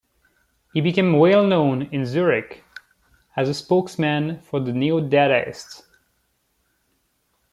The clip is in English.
He became well known in Zurich as a spokesman for the neo-dadaists.